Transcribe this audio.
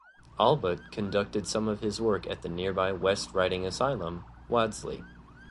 Allbutt conducted some of his work at the nearby West Riding Asylum, Wadsley.